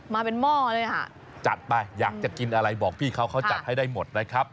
มาเป็นหม้อเลยค่ะจัดไปอยากจะกินอะไรบอกพี่เขาเขาจัดให้ได้หมดนะครับ